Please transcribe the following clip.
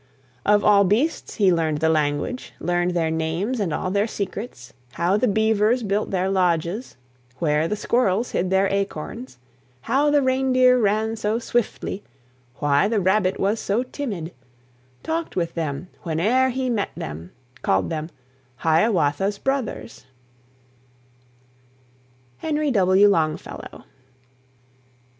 Of all beasts he learned the language, Learned their names and all their secrets, How the beavers built their lodges, Where the squirrels hid their acorns, How the reindeer ran so swiftly, Why the rabbit was so timid, Talked with them whene'er he met them, Called them "Hiawatha's Brothers." HENRY W. LONGFELLOW.